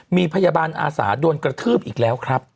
มีพยาบาลอาสาโดนกระทืบอีกแล้วครับ